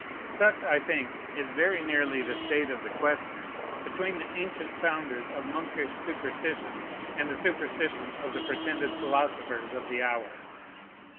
Such, I think, is very nearly the state of the question between the ancient founders of monkish superstition and the superstition of the pretended philosophers of the hour.